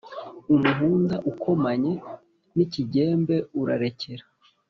umuhunda ukomanye n’ikigembe urarekera!